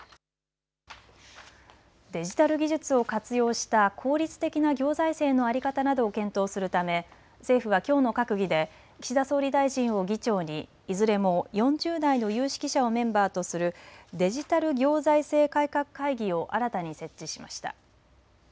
デジタル技術を活用した効率的な行財政の在り方などを検討するため、政府はきょうの閣議で岸田総理大臣を議長にいずれも４０代の有識者をメンバーとするデジタル行財政改革会議を新たに設置しました。